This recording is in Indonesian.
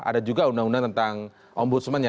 ada juga undang undang tentang ombudsman yang